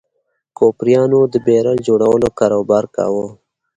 کوپریانو د بیرل جوړولو کاروبار کاوه.